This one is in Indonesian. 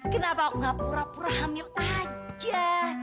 kenapa nggak pura pura hamil aja